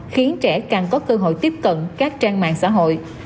khiến trẻ càng có cơ hội tiếp cận các trang mạng xã hội